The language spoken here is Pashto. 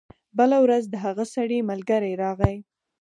بله ورځ د هغه سړي ملګری راغی.